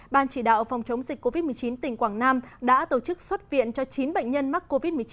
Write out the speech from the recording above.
ban chỉ đạo phòng chống dịch covid một mươi chín tỉnh quảng nam đã tổ chức xuất viện cho chín bệnh nhân mắc covid một mươi chín